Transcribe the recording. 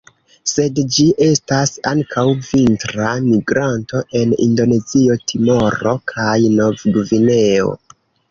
Sed ĝi estas ankaŭ vintra migranto en Indonezio, Timoro kaj Nov-Gvineo.